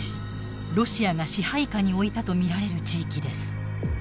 ロシアが支配下に置いたと見られる地域です。